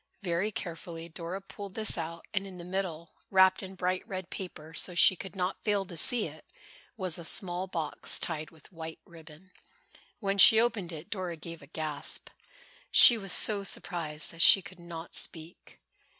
Very carefully, Dora pulled this out and in the middle, wrapped in bright red paper so she could not fail to see it, was a small box, tied with white ribbon. When she opened it Dora gave a gasp. She was so surprised that she could not speak.